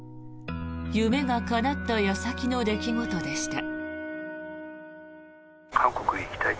夢がかなった矢先の出来事でした。